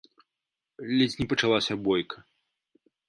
Ледзь не пачалася бойка.